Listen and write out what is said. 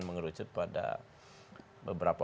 mengerucut pada beberapa